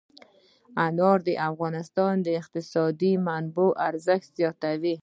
انار د افغانستان د اقتصادي منابعو ارزښت زیاتوي.